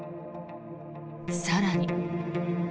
更に。